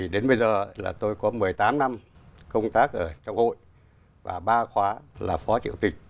đến bây giờ là tôi có một mươi tám năm công tác ở trong hội và ba khóa là phó chủ tịch